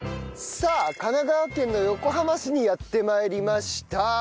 さあ神奈川県の横浜市にやって参りました。